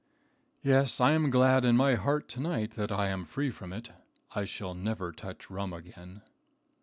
"Yes, I am glad in my heart to night that I am free from it. I shall never touch rum again."